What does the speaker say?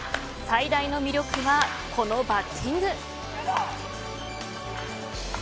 最大の魅力はこのバッティング。